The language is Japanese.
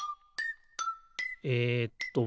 えっと